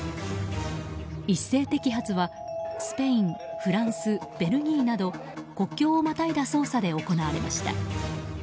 一斉摘発はスペイン、フランスベルギーなど国境をまたいだ捜査で行われました。